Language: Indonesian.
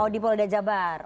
oh di polda jabar